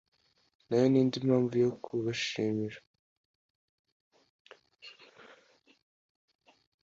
nayo ni indi mpamvu yo kubashimira